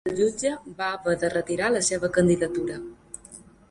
El jutge va haver de retirar la seva candidatura.